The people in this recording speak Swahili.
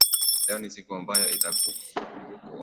leo ni siku ambayo itakumbukwa